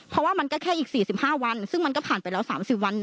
เพราะว่ามันก็แค่อีก๔๕วันซึ่งมันก็ผ่านไปแล้ว๓๐วัน